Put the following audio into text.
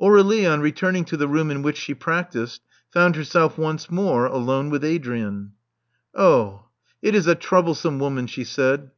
Aur^lie, on returning to the room in which she practised, found herself once more alone with Adrian. '*Oh, it is a troublesome woman," she said.